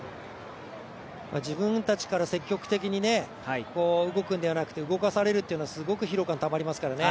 自分たちから積極的に動くんではなくて動かされるっていうのはすごく疲労感たまりますからね。